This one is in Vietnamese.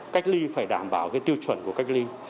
cách ly phải đảm bảo tiêu chuẩn của cách ly